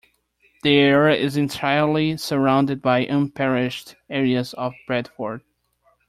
The area is entirely surrounded by unparished areas of Bradford.